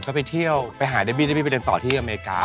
ก็ไปเที่ยวไปหาเดบี้เดบี้ไปเดินต่อที่อเมริกา